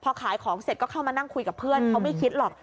พอขายของเสร็จก็เข้ามานั่งคุยกับเพื่อนเขาไม่คิดหรอก